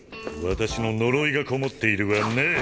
私の呪いがこもっているがね。